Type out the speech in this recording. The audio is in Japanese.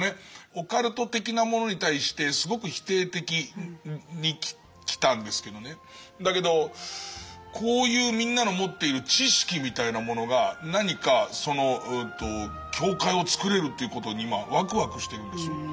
オカルト的なものに対してすごく否定的にきたんですけどねだけどこういうみんなの持っている知識みたいなものが何かその教会をつくれるということに今ワクワクしてるんですよ。